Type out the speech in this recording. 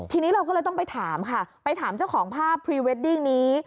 ทีนี้เราก็เลยต้องไปถามค่ะไปถามเจ้าของภาพพรีเวดดิ้งนี้